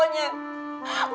saya sudah berada di rumah